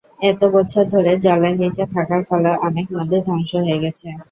এত বছর ধরে জলের নিচে থাকার ফলে অনেক মন্দির ধ্বংস হয়ে গেছে।